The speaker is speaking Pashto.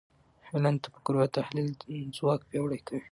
علم د تفکر او تحلیل ځواک پیاوړی کوي .